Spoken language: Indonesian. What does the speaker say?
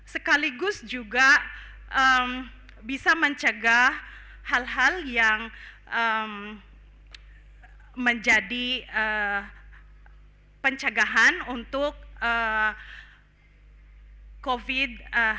sekaligus juga bisa mencegah hal hal yang menjadi pencegahan untuk covid sembilan belas